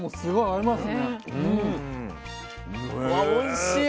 あおいしい！